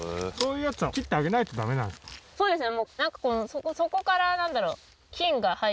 そうですね。